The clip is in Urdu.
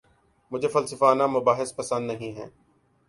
مجھے فلسفیانہ مباحث پسند نہیں ہیں